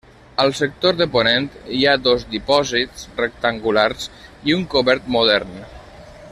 Al sector de ponent, hi ha dos dipòsits rectangulars i un cobert modern.